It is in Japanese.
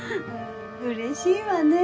うれしいわねぇ。